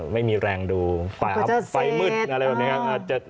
ไม่มีแรงดูไฟมืดอะไรแบบนี้